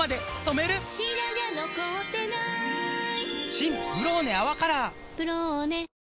新「ブローネ泡カラー」「ブローネ」